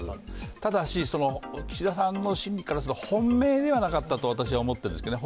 ただし、岸田さんの心理からすると本命ではなかったと私は思っているんですね。